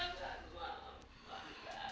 mak enggak boleh